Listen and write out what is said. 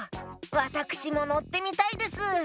わたくしものってみたいです。